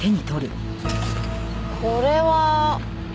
これは。